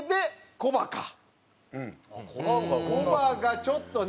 コバがちょっとね。